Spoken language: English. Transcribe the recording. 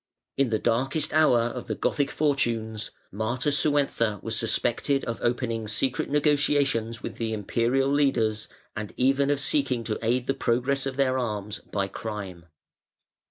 In the darkest hour of the Gothic fortunes (540) Matasuentha was suspected of opening secret negotiations with the Imperial leaders, and even of seeking to aid the progress of their arms by crime.